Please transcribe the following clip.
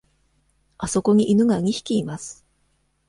あそこに犬が二匹います。